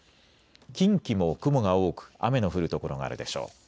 近畿も雲が多く雨の降る所があるでしょう。